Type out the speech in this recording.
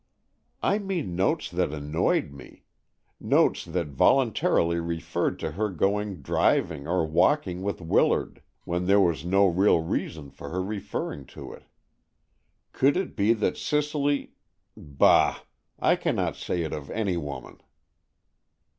"I mean notes that annoyed me. Notes that voluntarily referred to her going driving or walking with Willard, when there was no real reason for her referring to it. Could it be that Cicely—bah! I cannot say it of any woman!"